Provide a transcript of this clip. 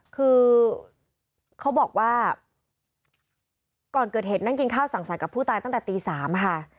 คือเขาบอกว่าก่อนเกิดเหตุนั่งกินข้าวสั่งสรรค์กับผู้ตายตั้งแต่ตี๓ค่ะ